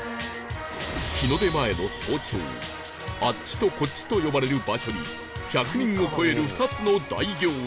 日の出前の早朝「あっち」と「こっち」と呼ばれる場所に１００人を超える２つの大行列